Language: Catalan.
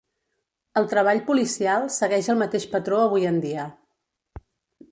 El treball policial segueix el mateix patró avui en dia.